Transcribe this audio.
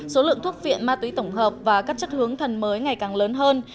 số lượng thuốc phiện ma túy tổng hợp và các chất hướng thần mới ngày càng lớn hơn